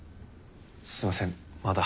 すいませんまだ。